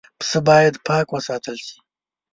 پسه باید پاک وساتل شي.